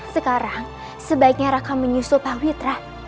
sekarang sebaiknya raka menyusul pak witra